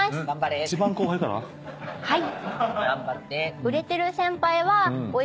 はい。